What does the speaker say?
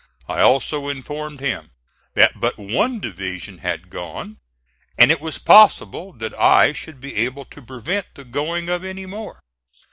I also informed him that but one division had gone, and it was possible that I should be able to prevent the going of any more.